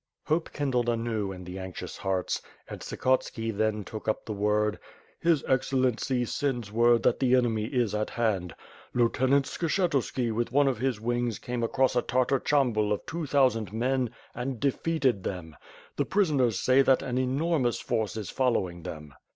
Hope kindled anew in the anxious hearts, and Tsikhotski then took up the word: "His Excellency sends word that the enemy is at hand. Lieutenant Skshetuski with one of his wings came across a Tartar chambul of two thousand men and defeated them. The prisoners say that an enormous force is following them."